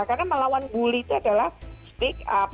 karena melawan bully itu adalah speak up